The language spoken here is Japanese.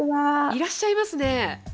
いらっしゃいますね。